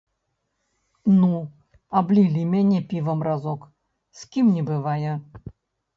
Ну, аблілі мяне півам разок, з кім не бывае.